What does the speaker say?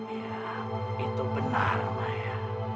iya itu benar maya